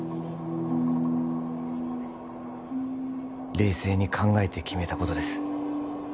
冷静に考えて決めたことです